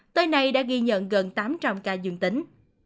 tới nay đã ghi nhận gần tám trăm linh ca dương tính